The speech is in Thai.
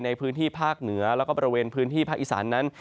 ในพื้นที่ภาคเหนือแล้วก็บริเวณพื้นที่ภาคอีสานนั้น